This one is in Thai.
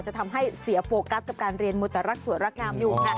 จะทำให้เสียโฟกัสกับการเรียนมัวแต่รักสวยรักงามอยู่ค่ะ